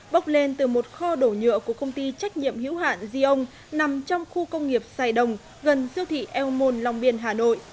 bốc lên từ một kho đổ nhựa của công ty trách nhiệm hữu hạn ziong nằm trong khu công nghiệp sài đồng gần siêu thị el môn long biên hà nội